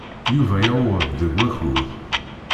Yuba yuweḍ deg wakud.